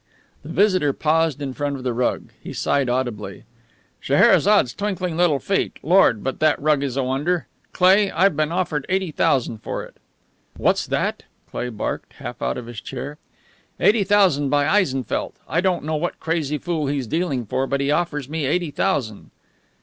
The visitor paused in front of the rug. He sighed audibly. "Scheherazade's twinkling little feet! Lord, but that rug is a wonder! Cleigh, I've been offered eighty thousand for it." "What's that?" Cleigh barked, half out of his chair. "Eighty thousand by Eisenfeldt. I don't know what crazy fool he's dealing for, but he offers me eighty thousand."